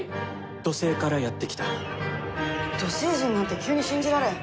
土星人なんて急に信じられん。